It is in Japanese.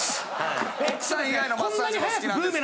奥さん以外のマッサージが好きなんですか。